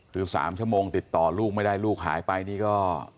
คือ๓ชั่วโมงติดต่อลูกไม่ได้ลูกหายไปนี่ก็